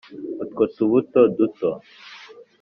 utwo tubuto duto